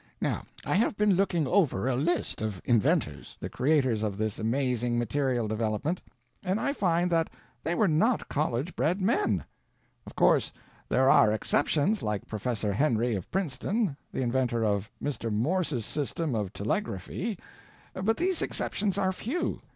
Now I have been looking over a list of inventors—the creators of this amazing material development—and I find that they were not college bred men. Of course there are exceptions—like Professor Henry of Princeton, the inventor of Mr. Morse's system of telegraphy—but these exceptions are few.